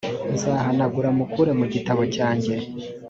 nzahanagura mukure mu gitabo cyanjye